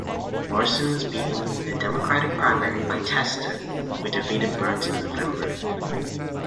Morrison was beaten in the Democratic primary by Tester, who defeated Burns in November.